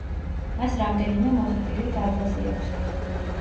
მას რამდენიმე მოზრდილი დარბაზი აქვს.